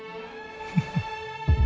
フフッ。